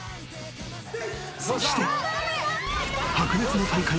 そして！